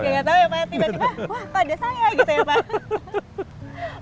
ya gak tahu ya pak tiba tiba wah pada saya gitu ya pak